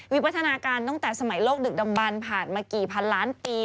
วิวัฒนาการตั้งแต่สมัยโลกดึกดำบันผ่านมากี่พันล้านปี